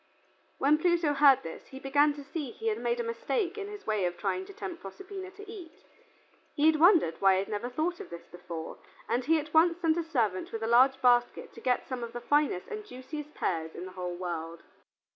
When Pluto heard this he began to see that he had made a mistake in his way of trying to tempt Proserpina to eat. He wondered why he had never thought of this before, and he at once sent a servant with a large basket to get some of the finest and juiciest pears in the whole world.